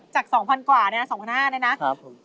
จาก๒๐๐๐กว่าเนี่ย๒๕๐๐เนี่ยนะครับ